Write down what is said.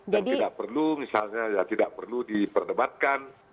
dan tidak perlu misalnya diperdebatkan